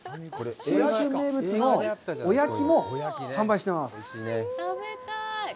信州名物の「おやき」も販売しています。